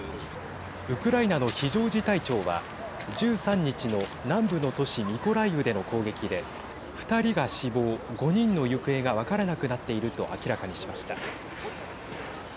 ウクライナの非常事態庁は１３日の南部の都市ミコライウでの攻撃で２人が死亡、５人の行方が分からなくなっていると明らかにしました。